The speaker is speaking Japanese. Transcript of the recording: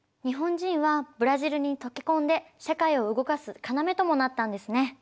日本人はブラジルに溶け込んで社会を動かす要ともなったんですね。